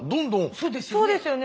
そうですよね。